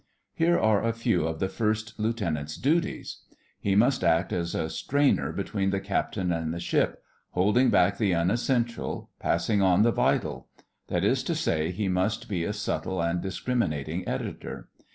Here are a few of the First Lieutenant's duties. He must act as a strainer between the Captain and the ship; holding back the unessential, passing on the vital. That is to say, he must be a subtle and discriminating editor.